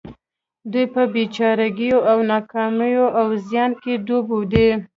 دوی په بې چارګيو او ناکاميو او زيان کې ډوب دي.